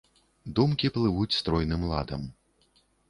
Думкі плывуць стройным ладам.